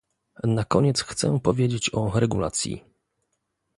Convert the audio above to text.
Na koniec chcę powiedzieć o regulacji